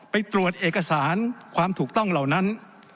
ไปตรวจเอกสารความถูกต้องเหล่านั้น